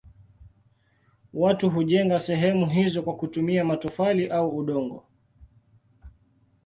Watu hujenga sehemu hizo kwa kutumia matofali au udongo.